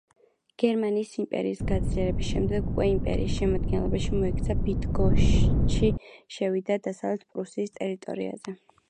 გერმანიის იმპერიის გაძლიერების შემდეგ უკვე, იმპერიის შემადგენლობაში მოექცა, ბიდგოშჩი შევიდა დასავლეთ პრუსიის ტერიტორიაზე.